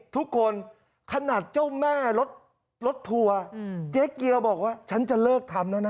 ทุกคนขนาดเจ้าแม่รถรถทัวร์เจ๊เกียวบอกว่าฉันจะเลิกทำแล้วนะ